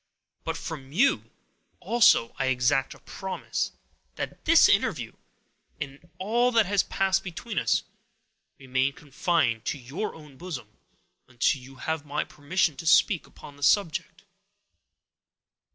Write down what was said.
But from you, also, I exact a promise, that this interview, and all that has passed between us, remain confined to your own bosom, until you have my permission to speak upon the subject."